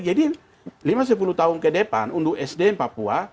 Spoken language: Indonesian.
jadi lima sepuluh tahun ke depan untuk sdn papua